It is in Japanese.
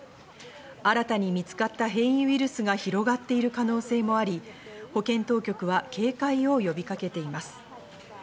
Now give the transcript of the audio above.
新たに見つかった変異ウイルスが広がっている可能性もあり、保健当局は警戒を呼びかけています。